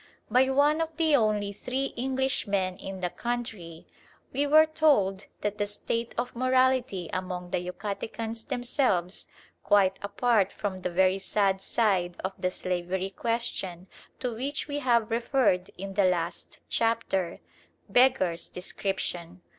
By one of the only three Englishmen in the country we were told that the state of morality among the Yucatecans themselves, quite apart from the very sad side of the slavery question to which we have referred in the last chapter, beggars description.